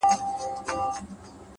هر انتخاب د راتلونکي مسیر بدلوي؛